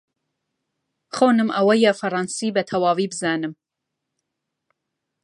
خەونم ئەوەیە فەڕەنسی بەتەواوی بزانم.